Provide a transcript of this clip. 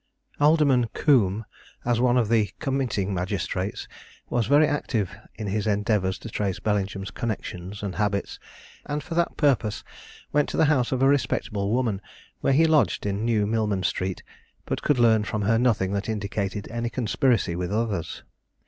Alderman Combe, as one of the committing magistrates, was very active in his endeavours to trace Bellingham's connexions and habits, and for that purpose went to the house of a respectable woman where he lodged in New Millman street, but could learn from her nothing that indicated any conspiracy with others.